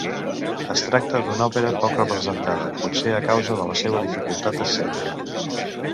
Es tracta d'una òpera poc representada, potser a causa de la seua dificultat escènica.